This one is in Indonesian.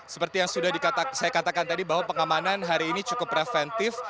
seperti yang sudah saya katakan tadi bahwa pengamanan hari ini cukup preventif